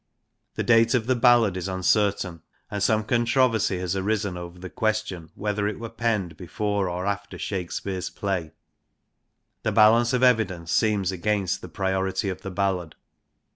The date of the ballad is un certain, and some controversy has arisen over the question whether it were penned before or after Shakespeare's play. The balance of evidence seems against the priority of the ballad.